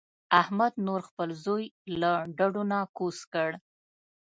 احمد نور خپل زوی له ډډو نه کوز کړ.